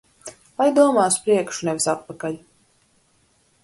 Lai domā uz priekšu, nevis atpakaļ.